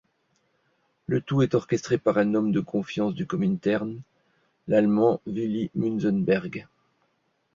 Le tout est orchestré par un homme de confiance du Komintern, l'Allemand Willy Münzenberg.